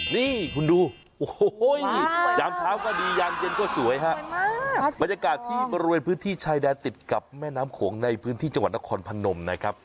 นี่คุณดูโอ้โหยามเช้าก็ดียามเย็นก็สวยฮะบรรยากาศที่บริเวณพื้นที่ชายแดนติดกับแม่น้ำโขงในพื้นที่จังหวัดนครพนมนะครับ